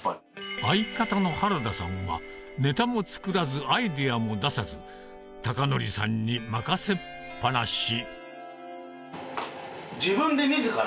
相方の原田さんはネタも作らずアイデアも出さず孝法さんに任せっ放し